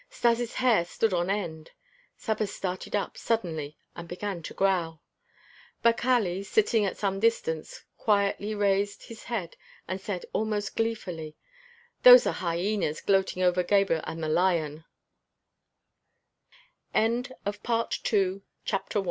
Stas' hair stood on end. Saba started up suddenly and began to growl. But Kali, sitting at some distance, quietly raised his head and said almost gleefully: "Those are hyenas gloating over Gebhr and the lion " II The great events of the